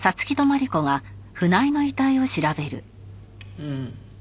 うん。